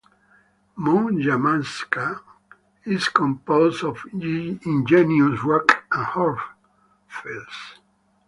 Mont Yamaska is composed of igneous rock and hornfels.